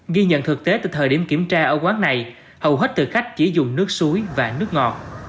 ghi nhận thực tế từ thời điểm kiểm tra ở quán này hầu hết thực khách chỉ dùng nước suối và nước ngọt